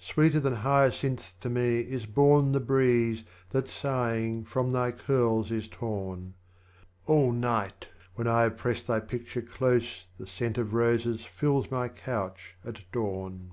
23. Sweeter than Hyacinths to me is borne The Breeze that, sighing, from thy Curls is torn ; All night when I have pressed thy Picture close The scent of Roses fills my Couch at Dawn.